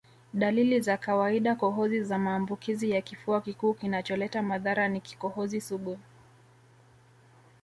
Dalili za kawaidaKohozi za maambukizi ya kifua kikuu kinacholeta madhara ni kikohozi sugu